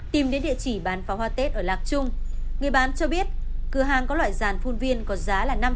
tìm đến địa chỉ bán pháo hoa tết ở lạc trung người bán cho biết cửa hàng có loại giàn phun viên có giá là năm trăm linh